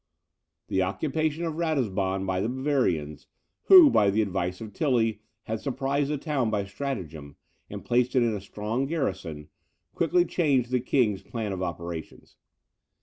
The occupation of Ratisbon by the Bavarians, who, by the advice of Tilly, had surprised this town by stratagem, and placed in it a strong garrison, quickly changed the king's plan of operations.